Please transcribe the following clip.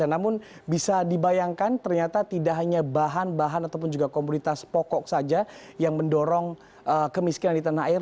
namun bisa dibayangkan ternyata tidak hanya bahan bahan ataupun juga komoditas pokok saja yang mendorong kemiskinan di tanah air